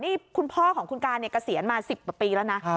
นี่คุณพ่อของคุณการเนี่ยเกษียณมา๑๐กว่าปีแล้วนะ